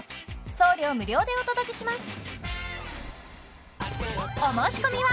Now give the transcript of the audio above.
送料無料でお届けします